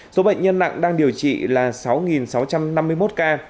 số bệnh nhân nặng đang điều trị là sáu sáu trăm năm mươi một ca